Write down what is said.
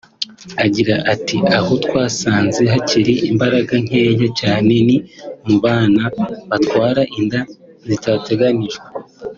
Agira ati “Aho twasanze hakiri imbaraga nkeya cyane ni mu bana batwara inda zitateganijwe